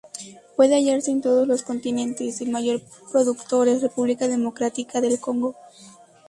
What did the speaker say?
Puede hallarse en todos los continentes, el mayor productor es República Democrática del Congo.